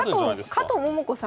加藤桃子さん